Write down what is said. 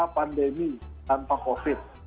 pandemi tanpa covid